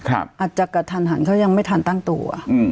อาจจะกระทันหันเขายังไม่ทันตั้งตัว